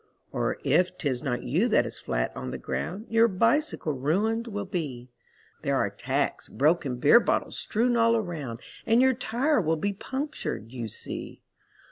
Or if 'tis not you that is flat on the ground, Your bicycle ruined will be There are tacks, broken beer bottles strewn all around, And your tire will be punctured, you see.